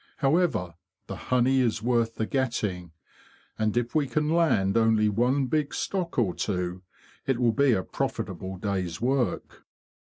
However, the honey is worth the getting, and if we can land only one big stock or two it will be a profitable day's work."